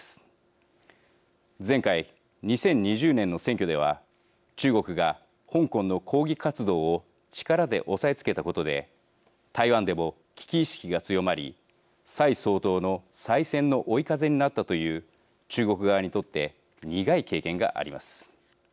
前回２０２０年の選挙では中国が香港の抗議活動を力で押さえつけたことで台湾でも危機意識が強まり蔡総統の再選の追い風になったという中国側にとって苦い経験があります。